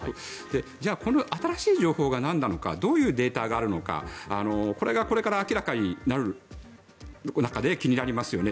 じゃあこの新しい情報が何なのかどういうデータがあるのかこれがこれから明らかになる中で気になりますよね。